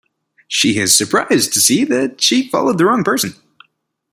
She is surprised to see that she followed the wrong person.